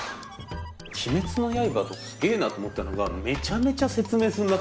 「鬼滅の刃」がすげえなと思ったのがめちゃめちゃ説明すんなと思ったんです。